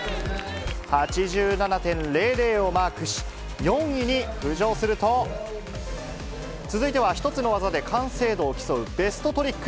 ８７．００をマークし、４位に浮上すると、続いては一つの技で完成度を競うベストトリック。